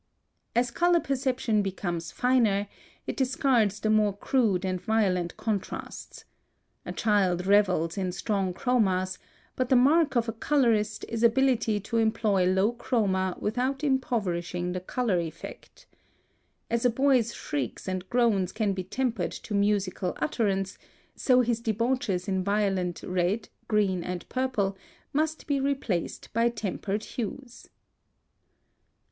(176) As color perception becomes finer, it discards the more crude and violent contrasts. A child revels in strong chromas, but the mark of a colorist is ability to employ low chroma without impoverishing the color effect. As a boy's shrieks and groans can be tempered to musical utterance, so his debauches in violent red, green, and purple must be replaced by tempered hues.